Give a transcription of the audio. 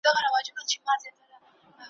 غداره زمانه ده اوس باغوان په باور نه دی `